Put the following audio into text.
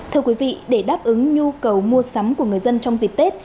thưa quý vị để đáp ứng nhu cầu mua sắm của người dân trong dịp tết